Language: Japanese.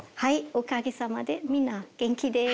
おかげさまでみんな元気です。